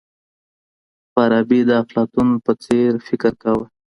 فارابي د افلاطون په څیر فکر کاوه.